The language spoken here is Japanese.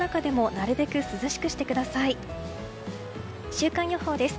週間予報です。